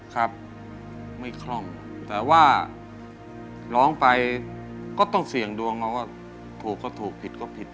ครับไม่คล่องแต่ว่าร้องไปก็ต้องเสี่ยงดวงเอาว่าถูกก็ถูกผิดก็ผิด